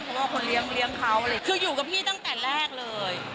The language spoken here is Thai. เพราะว่าคนเลี้ยงเลี้ยงเขาคืออยู่กับพี่ตั้งแต่แรกเลย